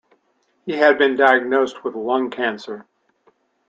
He had been diagnosed with lung cancer.